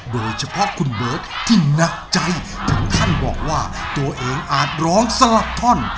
โดยเฉพาะคุณเบิร์ตที่หนักใจถึงขั้นบอกว่าตัวเองอาจร้องสลับท่อน